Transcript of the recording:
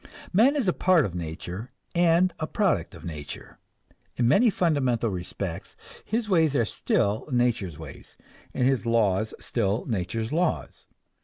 Man is a part of nature and a product of nature; in many fundamental respects his ways are still nature's ways and his laws still nature's laws.